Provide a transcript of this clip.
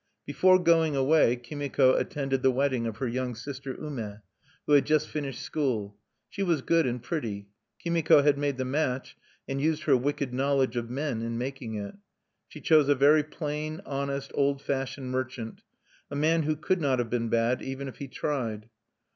Before going away, Kimiko attended the wedding of her young sister, Ume, who had just finished school. She was good and pretty. Kimiko had made the match, and used her wicked knowledge of men in making it. She chose a very plain, honest, old fashioned merchant, a man who could not have been bad, even if he tried.